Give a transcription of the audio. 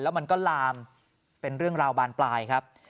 แล้วมันก็ลามเป็นเรื่องราวบานปลายครับ